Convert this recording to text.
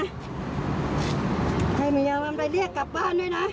ให้เมียมันไปเรียกกลับบ้านด้วยนะ